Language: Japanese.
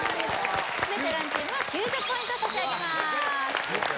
ベテランチームは９０ポイント差し上げます